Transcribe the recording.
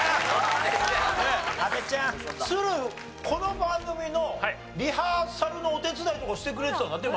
この番組のリハーサルのお手伝いとかしてくれてたんだって？